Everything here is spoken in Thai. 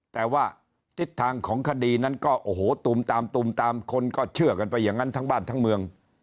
แต่ว่าทิศทางของคดีนั้นก็โอ้โหตูมตามตุมตามคนก็เชื่อกันไปอย่างนั้นทั้งบ้านทั้งเมือง